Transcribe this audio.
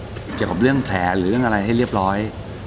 เกี่ยวกับเรื่องแผลหรือเรื่องอะไรให้เรียบร้อย